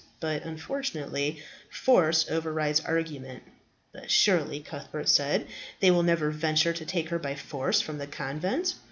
But, unfortunately, force overrides argument." "But surely," Cuthbert said, "they will never venture to take her by force from the convent?"